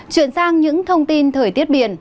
chuyển sang những thông tin thời tiết biển